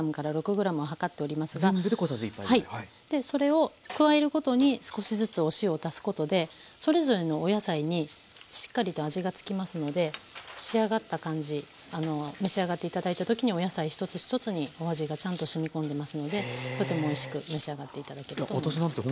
それを加えるごとに少しずつお塩を足すことでそれぞれのお野菜にしっかりと味が付きますので仕上がった感じ召し上がって頂いた時にお野菜一つ一つにお味がちゃんとしみ込んでますのでとてもおいしく召し上がって頂けると思います。